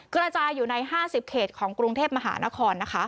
กระจายอยู่ใน๕๐เขตของกรุงเทพมหานคร